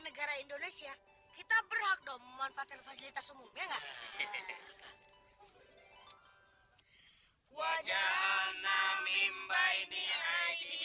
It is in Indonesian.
negara indonesia kita berhak domo manfaatkan fasilitas umum ya nggak wajah namim by nih